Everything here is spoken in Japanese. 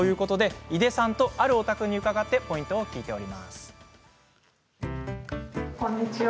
井出さんとあるお宅に伺ってポイントを聞いております。